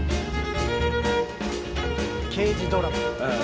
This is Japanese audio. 刑事ドラマ。